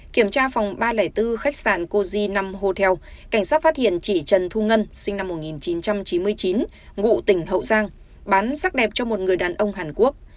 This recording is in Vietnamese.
kiểm tra phòng ba trăm linh bốn khách sạn koji năm hotel cảnh sát phát hiện chị trần thu ngân sinh năm một nghìn chín trăm chín mươi chín ngụ tỉnh hậu giang bán sắc đẹp cho một người đàn ông hàn quốc